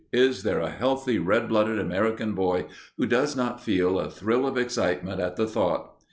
Is there a healthy, red blooded American boy who does not feel a thrill of excitement at the thought?